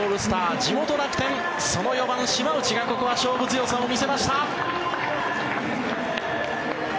地元・楽天その４番、島内が勝負強さを見せました。